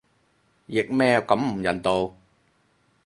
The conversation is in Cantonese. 譯咩咁唔人道